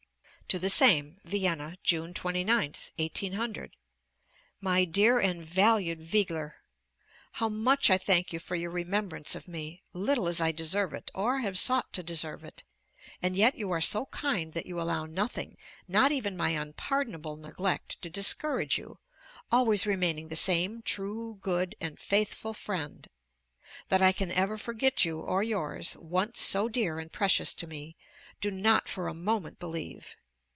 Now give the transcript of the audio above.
TO THE SAME VIENNA, June 29th, 1800. My dear and valued Wegeler: How much I thank you for your remembrance of me, little as I deserve it or have sought to deserve it; and yet you are so kind that you allow nothing, not even my unpardonable neglect, to discourage you, always remaining the same true, good, and faithful friend. That I can ever forget you or yours, once so dear and precious to me, do not for a moment believe.